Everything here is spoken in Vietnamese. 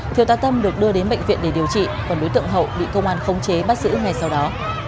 thiếu tá tâm được đưa đến bệnh viện để điều trị còn đối tượng hậu bị công an khống chế bắt giữ ngay sau đó